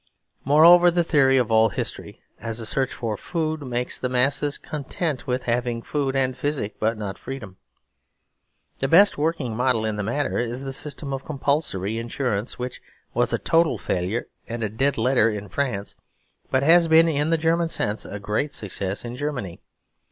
Moreover, the theory of all history as a search for food makes the masses content with having food and physic, but not freedom. The best working model in the matter is the system of Compulsory Insurance; which was a total failure and dead letter in France but has been, in the German sense, a great success in Germany.